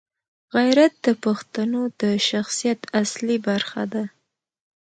غیرت د پښتون د شخصیت اصلي برخه ده.